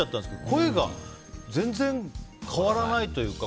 声が全然変わらないというか